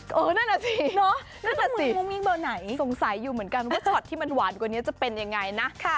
เออนั่นแหละสินั่นแหละสิสงสัยอยู่เหมือนกันว่าช็อตที่มันหวานกว่านี้จะเป็นยังไงนะ